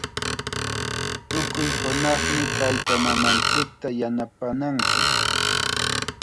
Tukuy hunaqmi taytamamanchikta yanapananchik.